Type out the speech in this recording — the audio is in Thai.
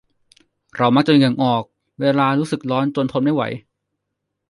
เรามักจะเหงื่อออกเวลารู้สึกร้อนจนทนไม่ไหว